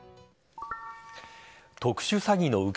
特殊詐欺の受け